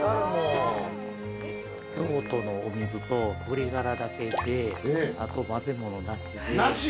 京都のお水と鶏がらだけであと混ぜ物なしで。